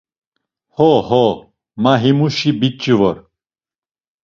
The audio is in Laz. Ho, ho! Ma himuşi biç̌i vor.